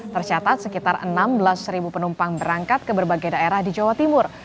tercatat sekitar enam belas penumpang berangkat ke berbagai daerah di jawa timur